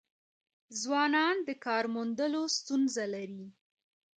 ځوانان د کار موندلو ستونزه لري.